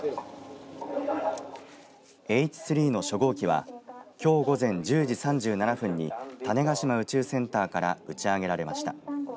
Ｈ３の初号機はきょう午前１０時３７分に種子島宇宙センターから打ち上げられました。